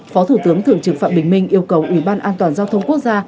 phó thủ tướng thường trực phạm bình minh yêu cầu ủy ban an toàn giao thông quốc gia